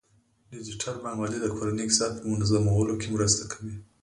ډیجیټل بانکوالي د کورنۍ اقتصاد په منظمولو کې مرسته کوي.